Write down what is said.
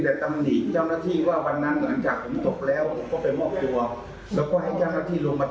แต่ทีนี้ผมมาตรงนี้ว่าทำไมไม่โทรหาผม